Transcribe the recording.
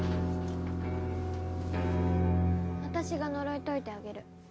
私が呪い解いてあげる。